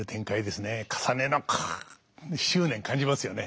かさねのこう執念感じますよね。